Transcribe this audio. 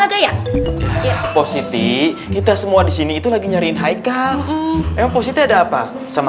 ada ya positi kita semua di sini itu lagi nyariin haikal emang positi ada apa sama